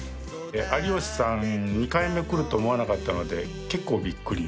有吉さん２回目来ると思わなかったので結構びっくり。